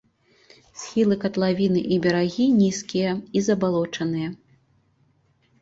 Схілы катлавіны і берагі нізкія і забалочаныя.